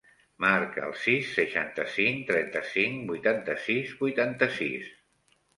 Marca el sis, seixanta-cinc, trenta-cinc, vuitanta-sis, vuitanta-sis.